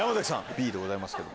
Ｂでございますけど。